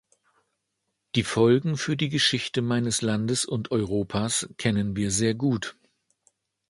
Die Folgen für die Geschichte meines Landes und Europas kennen wir sehr gut.